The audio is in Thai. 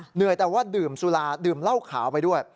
เหนื่อยแต่ว่าดื่มสุราดื่มเหล้าขาวไปด้วย